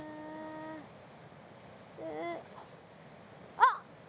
あっ！